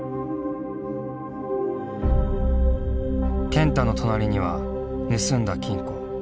健太の隣には盗んだ金庫。